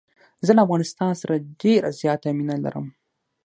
زه له افغانستان سره ډېره زیاته مینه لرم.